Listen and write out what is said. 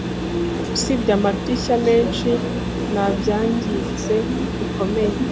Usibye amadirishya menshi, nta byangiritse bikomeye